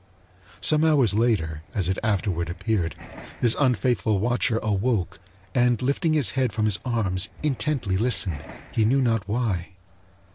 Some hours later, as it afterward appeared, this unfaithful watcher awoke and lifting his head from his arms intently listened he knew not why.